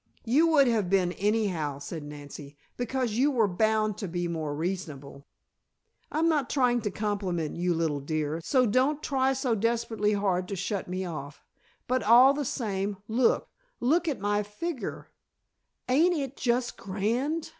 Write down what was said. "You would have been, anyhow," said Nancy. "Because you were bound to be more reasonable " "I'm not trying to compliment you, little dear, so don't try so desperately hard to shut me off. But all the same, look look at my figger! Ain't it just grand!"